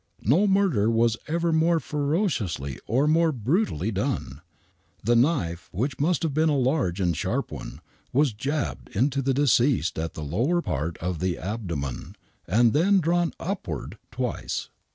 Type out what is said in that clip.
No murder was ever more ferociously or more brutally done. The knife, which must Iiave been a large and sharp one, was jabbed into the deceased at the lower pari of the abdomen, and then drawn upward twice.